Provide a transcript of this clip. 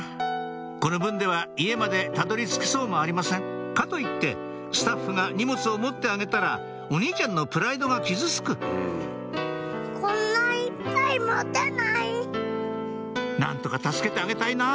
この分では家までたどり着けそうもありませんかといってスタッフが荷物を持ってあげたらお兄ちゃんのプライドが傷つく何とか助けてあげたいなぁ